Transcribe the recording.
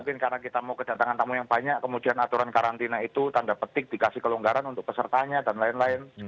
mungkin karena kita mau kedatangan tamu yang banyak kemudian aturan karantina itu tanda petik dikasih kelonggaran untuk pesertanya dan lain lain